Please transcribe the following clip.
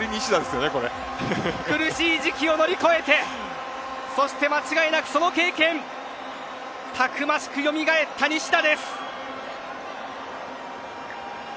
苦しい時期を乗り越えてそして間違いなく、その経験たくましくよみがえった西田です。